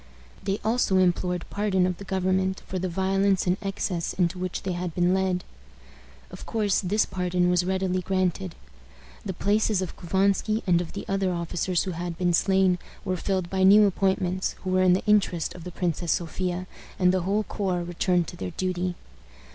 They also implored pardon of the government for the violence and excess into which they had been led. Of course, this pardon was readily granted. The places of Couvansky and of the other officers who had been slain were filled by new appointments, who were in the interest of the Princess Sophia, and the whole corps returned to their duty.